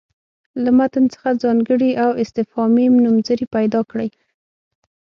له متن څخه ځانګړي او استفهامي نومځړي پیدا کړي.